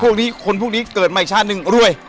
พวกนี้คนพวกนี้เกิดมาอีกชาติหนึ่งรวย